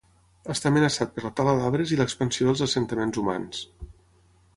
Està amenaçat per la tala d'arbres i l'expansió dels assentaments humans.